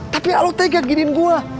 tapi lu tega giniin gua